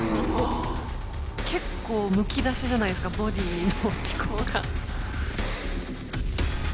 結構むき出しじゃないですかボディーの機構が。